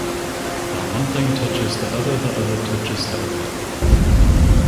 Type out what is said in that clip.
That one thing touches the other the other touches the other.